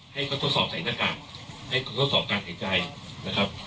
ให้เขาทดสอบใส่หน้ากากให้ทดสอบการหายใจนะครับ